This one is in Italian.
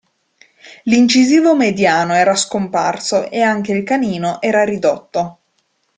L'incisivo mediano era scomparso, e anche il canino era ridotto.